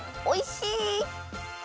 おいしい！